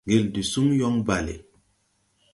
Ŋgel de suŋ yɔŋ bale.